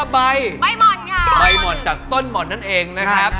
ใบหม่อนจากต้นหม่อนนั่นเองนะครับ